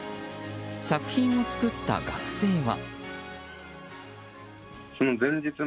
作品を作った学生は。